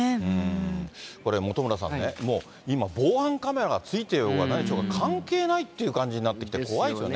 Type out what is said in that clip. これ、本村さんね、もう今、防犯カメラがついていようが何しようが、関係ないって感じになってきて、怖いですよね。